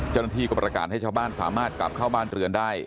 เจ้าหน้าที่ก็ประกาศให้ชาวบ้านสามารถกลับเข้าบ้านเรือนได้